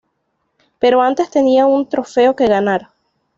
Pero antes tenía un trofeo que ganar.